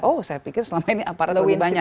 oh saya pikir selama ini aparat lebih banyak